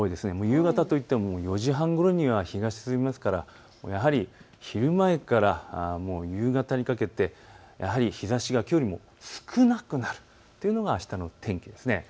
夕方といっても４時半ごろには日が沈みますからやはり昼前から夕方にかけて日ざしがきょうよりも少なくなるというのが、あしたの天気です。